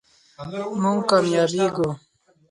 مونږ کامیابیږو